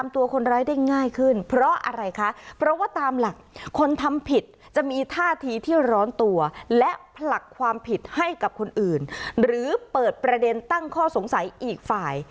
ที่จะจับพริวรสได้ง่ายกว่า